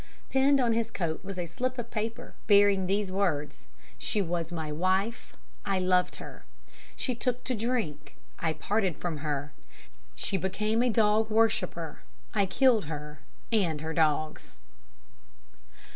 Pinned on his coat was a slip of paper bearing these words: 'She was my wife I loved her. She took to drink I parted from her. She became a dog worshipper. I killed her and her dogs.'"